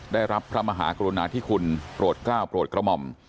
ได้รับพระมหากรุณาธิคุณโปรดกล้าวโปรดกระหม่อม